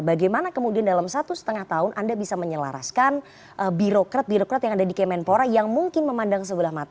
bagaimana kemudian dalam satu setengah tahun anda bisa menyelaraskan birokrat birokrat yang ada di kemenpora yang mungkin memandang sebelah mata